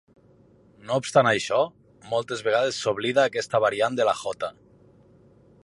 No obstant això, moltes vegades s’oblida aquesta variant de la jota.